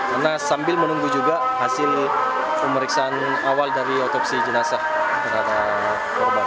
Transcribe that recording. karena sambil menunggu juga hasil pemeriksaan awal dari otopsi jenazah terhadap korban